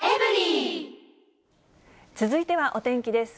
続いてはお天気です。